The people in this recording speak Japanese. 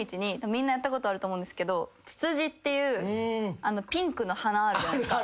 みんなやったことあると思うんですけどツツジっていうピンクの花あるじゃないですか。